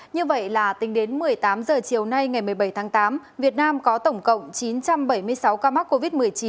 như vậy là tính đến một mươi tám h chiều nay ngày một mươi bảy tháng tám việt nam có tổng cộng chín trăm bảy mươi sáu ca mắc covid một mươi chín